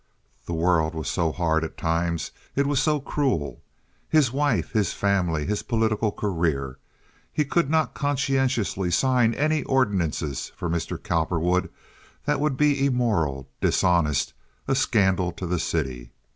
The world was so hard at times; it was so cruel. His wife, his family, his political career. He could not conscientiously sign any ordinances for Mr. Cowperwood—that would be immoral, dishonest, a scandal to the city.